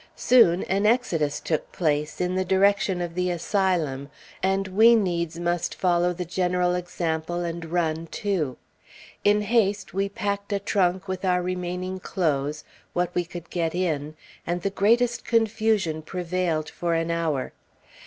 Soon, an exodus took place, in the direction of the Asylum, and we needs must follow the general example and run, too. In haste we packed a trunk with our remaining clothes, what we could get in, and the greatest confusion prevailed for an hour.